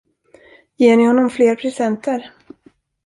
Ger ni honom fler presenter?